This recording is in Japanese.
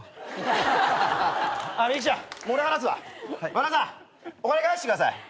和田さんお金返してください。